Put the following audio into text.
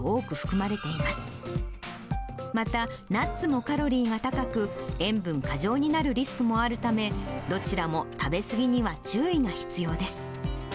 またナッツもカロリーが高く、塩分過剰になるリスクもあるため、どちらも食べ過ぎには注意が必要です。